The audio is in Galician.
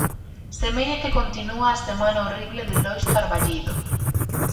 Semella que continúa a "semana horrible" de Lois Carballido.